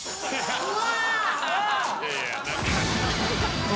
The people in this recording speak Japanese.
うわ！